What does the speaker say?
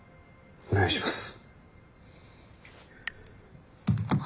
お願いします。